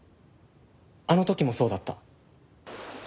あの時もそうだった。